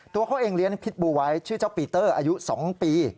ตัวเขาเองเลี้ยงพิษบูไว้ชื่อเจ้าปีเตอร์อายุ๒ปี